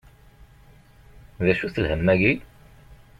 D acu-t lhemm-agi?